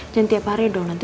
dan tiap hari dong nanti